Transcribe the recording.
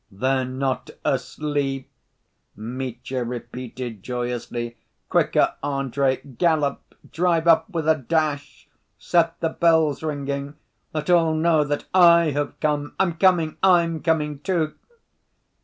"They're not asleep," Mitya repeated joyously. "Quicker, Andrey! Gallop! Drive up with a dash! Set the bells ringing! Let all know that I have come. I'm coming! I'm coming, too!"